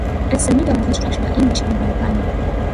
Its medium of instruction are English and Bengali.